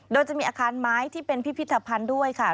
โดยจะมีอาคารไม้ที่เป็นพิพิธภัณฑ์ด้วยค่ะ